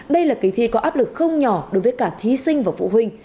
đây là kỳ thi có áp lực không nhỏ đối với cả thí sinh và phụ huynh